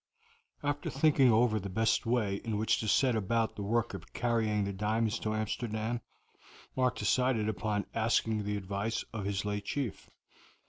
After thinking over the best way in which to set about the work of carrying the diamonds to Amsterdam, Mark decided upon asking the advice of his late chief.